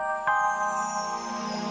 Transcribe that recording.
terima kasih ya allah